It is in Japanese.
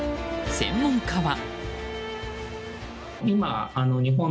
専門家は。